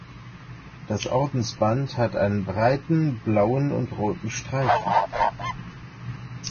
Das Ordensband hat einen breiten blauen und roten Streifen.